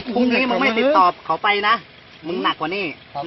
พรุ่งนี้มึงไม่ติดต่อเขาไปนะมึงหนักกว่านี้